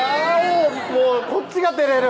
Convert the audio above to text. もうこっちがてれる！